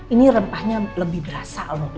ini rempahnya lebih berasa